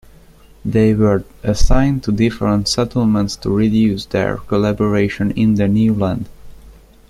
They were assigned to different settlements to reduce their collaboration in the new land.